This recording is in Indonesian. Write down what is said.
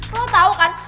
lo tau kan